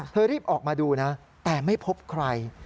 รีบออกมาดูนะแต่ไม่พบใคร